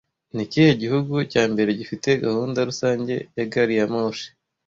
Nikihe gihugu cya mbere gifite gahunda rusange ya gari ya moshi